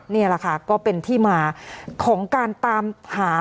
นี่แหละค่ะก็เป็นที่มาของการตามหา